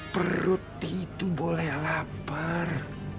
perut itu boleh lapar